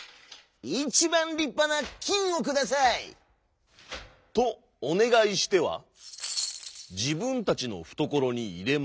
「いちばんりっぱなきんをください」。とおねがいしてはじぶんたちのふところにいれました。